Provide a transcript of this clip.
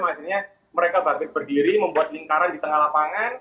maksudnya mereka berdiri membuat lingkaran di tengah lapangan